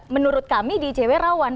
menurut kami di icw rawan